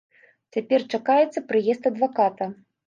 Цяпер чакаецца прыезд адваката.